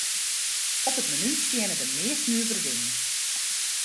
Op it menu steane de meast nuvere dingen.